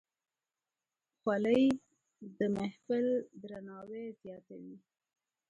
خولۍ د محفل درناوی زیاتوي.